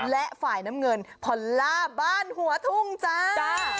และฝ่ายน้ำเงินพอลล่าบ้านหัวทุ่งจ้า